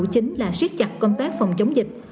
chính là siết chặt công tác phòng chống dịch